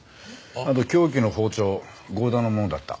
あと凶器の包丁剛田のものだった。